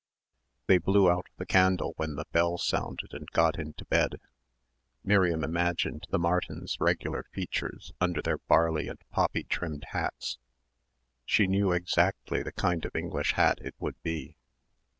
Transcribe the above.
They blew out the candle when the bell sounded and got into bed. Miriam imagined the Martins' regular features under their barley and poppy trimmed hats. She knew exactly the kind of English hat it would be.